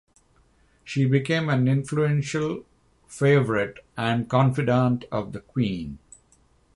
She became an influential favorite and confidant of the queen.